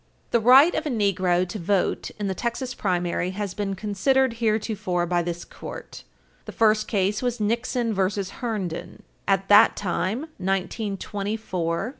The right of a Negro to vote in the Texas primary has been considered heretofore by this Court. The first case was Nixon v. Herndon, 273 U. S. 536. At that time, 1924, the Texas statute, Art.